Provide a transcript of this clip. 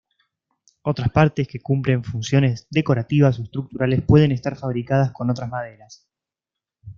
Otras partes, que cumplen funciones decorativas o estructurales pueden estar fabricadas con otras maderas.